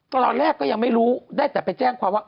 ตอนแรกก็ยังไม่รู้ได้แต่ไปแจ้งความว่า